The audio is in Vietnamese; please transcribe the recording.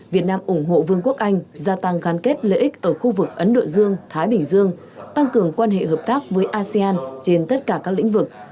việt nam ủng hộ vương quốc anh gia tăng gắn kết lợi ích ở khu vực ấn độ dương thái bình dương tăng cường quan hệ hợp tác với asean trên tất cả các lĩnh vực